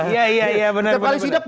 iya iya iya benar benar setiap kali sidak